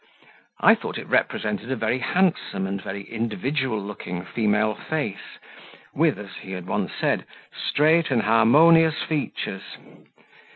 I thought it represented a very handsome and very individual looking female face, with, as he had once said, "straight and harmonious features."